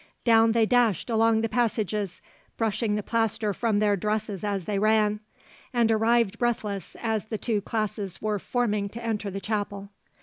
Down they dashed along the passages, brushing the plaster from their dresses as they ran, and arrived breathless as the two classes were forming to enter the chapel.